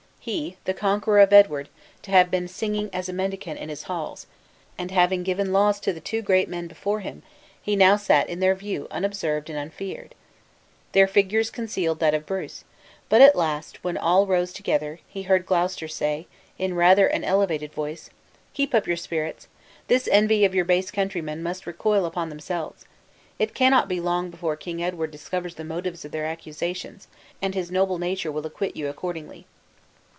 He, the conqueror of Edward, to have been singing as a mendicant in his halls; and having given laws to the two great men before him, he now sat in their view unobserved and unfeared! Their figures concealed that of Bruce, but at last when all rose together, he heard Gloucester say, in rather an elevated voice, "Keep up your spirits. This envy of your base countrymen must recoil upon themselves. It cannot be long before King Edward discovers the motives of their accusations, and his noble nature will acquit you accordingly."